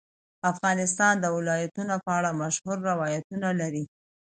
افغانستان د ولایتونو په اړه مشهور روایتونه لري.